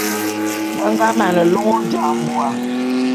Be nga mane lôn Ojambô'a.